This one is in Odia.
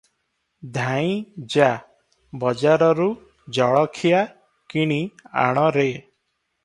ଧାଇଁ ଯା ବଜାରରୁ ଜଳଖିଆ କିଣି ଆଣରେ ।"